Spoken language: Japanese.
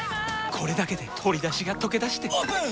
これだけで鶏だしがとけだしてオープン！